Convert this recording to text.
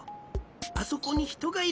あそこにひとがいる。